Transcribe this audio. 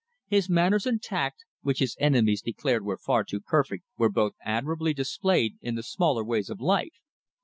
His manners and tact, which his enemies declared were far too perfect, were both admirably displayed in the smaller ways of life.